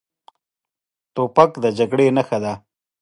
توپک د جګړې نښه ده.